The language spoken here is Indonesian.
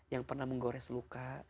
yang pernah menggores luka